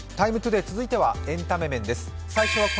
「ＴＩＭＥ，ＴＯＤＡＹ」続いてはエンタメ面です。